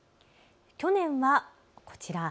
去年はこちら。